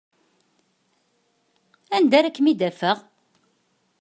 Anda ara kem-id-afeɣ?